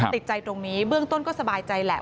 ติดใจตรงนี้เบื้องต้นก็สบายใจแหละ